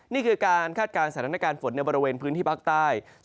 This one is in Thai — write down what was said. นี่คือการคาดการณ์สถานการณ์ฝนในบริเวณพื้นที่ภาคใต้